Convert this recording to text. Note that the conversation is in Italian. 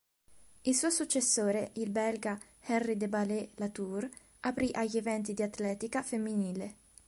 Il suo successore, il belga Henri de Baillet-Latour, aprì agli eventi di atletica femminile.